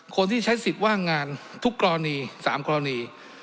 คนที่ใช้สิทธิ์ว่างงานทุกกรณี๓กรณี